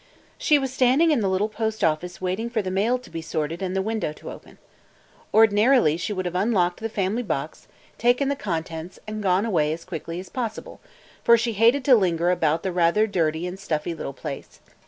She was standing in the little post office waiting for the mail to be sorted and the window to open. Ordinarily she would have unlocked the family box, taken the contents, and gone away as quickly as possible, for she hated to linger about the rather dirty and stuffy little place.